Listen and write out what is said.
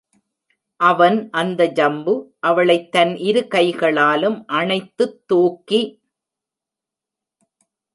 அவன் அந்த ஜம்பு அவளைத் தன் இரு கைகளாலும் அணைத்துத் தூக்கி.......